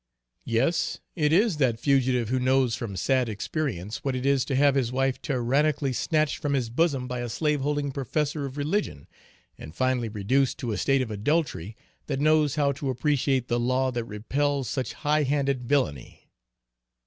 Yes, it is that fugitive who knows from sad experience, what it is to have his wife tyrannically snatched from his bosom by a slaveholding professor of religion, and finally reduced to a state of adultery, that knows how to appreciate the law that repels such high handed villany.